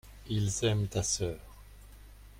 Ils aiment ta sœur.